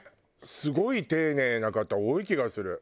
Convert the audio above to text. すごい丁寧な方多い気がする。